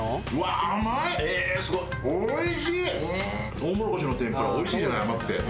トウモロコシの天ぷらおいしいじゃない甘くて。